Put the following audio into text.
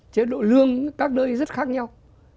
chế độ lương các nơi rất khác nhau